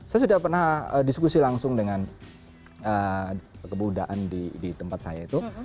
saya sudah pernah diskusi langsung dengan kebudaan di tempat saya itu